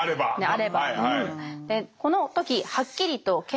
ねあれば。